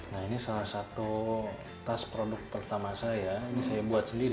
nah ini salah satu tas produk pertama saya ini saya buat sendiri